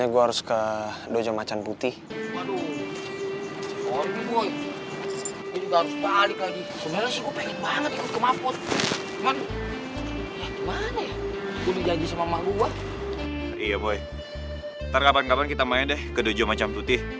ya gue dijanji sama emak gua iya boy ntar kapan kapan kita main deh ke dojo macan putih